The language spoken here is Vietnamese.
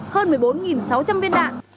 hơn một mươi bốn sáu trăm linh viên đạn